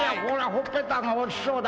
ほっぺたが落ちそうだ」